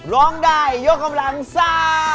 ร้องได้ยกกำลังซ่า